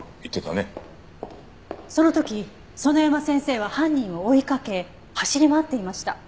その時園山先生は犯人を追いかけ走り回っていました。